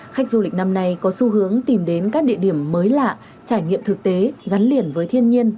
khách du lịch năm nay có xu hướng tìm đến các địa điểm mới lạ trải nghiệm thực tế gắn liền với thiên nhiên